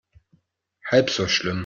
Halb so schlimm.